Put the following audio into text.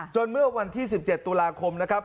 เมื่อวันที่๑๗ตุลาคมนะครับ